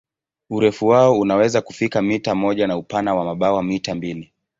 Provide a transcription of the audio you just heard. Urefu wao unaweza kufika mita moja na upana wa mabawa mita mbili.